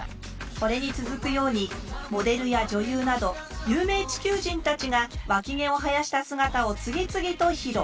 これに続くようにモデルや女優など有名地球人たちがワキ毛を生やした姿を次々と披露。